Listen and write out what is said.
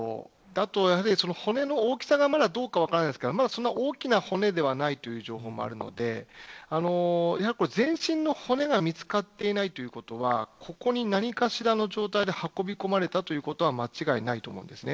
あとは骨の大きさがどうか分かりませんがそれほど大きな骨ではないという情報もあるので全身の骨が見つかっていないということはここに何かしらの状態で運び込まれたということは間違いないと思います。